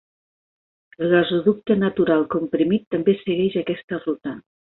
Un gasoducte natural comprimit també segueix aquesta ruta.